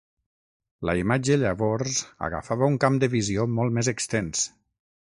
La imatge llavors agafava un camp de visió molt més extens.